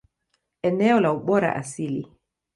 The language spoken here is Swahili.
Eneo la ubora asili.